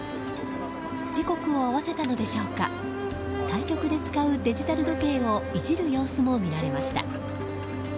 時刻を合わせたのでしょうか対局で使うデジタル時計をいじる様子も見られました。